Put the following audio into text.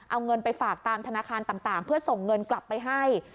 เอาเงินไปฝากตามธนาคารต่างเพื่อส่งเงินกลับไปให้